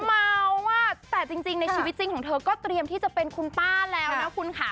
เมาอ่ะแต่จริงในชีวิตจริงของเธอก็เตรียมที่จะเป็นคุณป้าแล้วนะคุณค่ะ